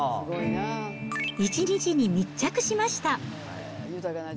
一日に密着しました。